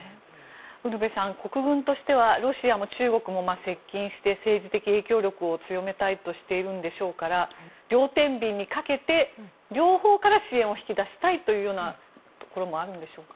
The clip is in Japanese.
ウルヴェさん国軍としてはロシアも中国も接近して政治的影響力を強めたいとしているんでしょうから両てんびんにかけて両方から支援を引き出したいというところもあるんでしょうか。